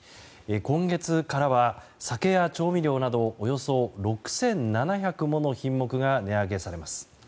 今月からは、酒や調味料などおよそ６７００もの品目が値上げされます。